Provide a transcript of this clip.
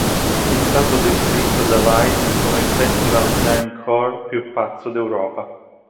È stato descritto da Vice come "il festival grindcore più pazzo d'Europa".